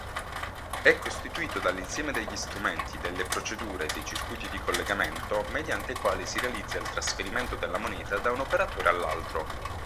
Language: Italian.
È costituito dall’insieme degli strumenti, delle procedure e dei circuiti di collegamento mediante i quali si realizza il trasferimento della moneta da un operatore all’ altro.